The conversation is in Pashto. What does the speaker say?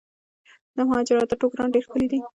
د مهاراجا ټوکران ډیر ښکلي دي.